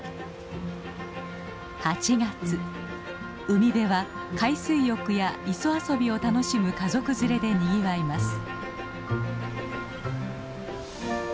海辺は海水浴や磯遊びを楽しむ家族連れでにぎわいます。